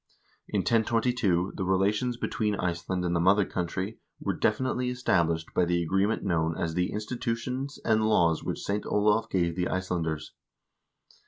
In 1022 the relations between Iceland and the mother country were definitely established by the agreement known as the "Institutions and Laws which St. Olav gave the Icelanders."